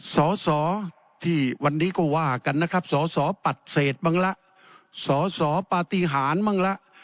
สอสอที่วันนี้ก็ว่ากันนะครับสสปัดเศษบ้างละสอสอปฏิหารบ้างละ